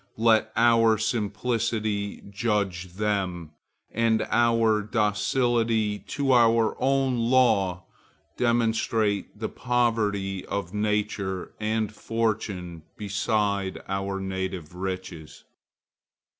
Let our simplicity judge them, and our docility to our own law demonstrate the poverty of nature and fortune beside our native riches.